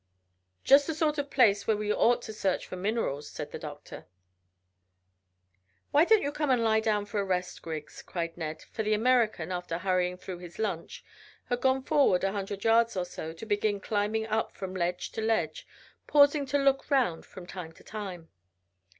"Just the sort of place where we ought to search for minerals," said the doctor. "Why don't you come and lie down for a rest, Griggs?" cried Ned, for the American, after hurrying through his lunch, had gone forward a hundred yards or so to begin climbing up from ledge to ledge, pausing to look round from time to time.